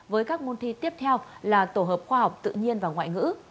với các môn thi tiếp theo là tổ hợp khoa học tự nhiên và ngoại ngữ